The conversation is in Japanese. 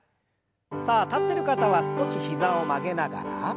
さあ立ってる方は少し膝を曲げながら。